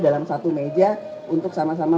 dalam satu meja untuk sama sama